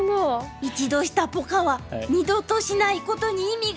一度したポカは二度としないことに意味があります。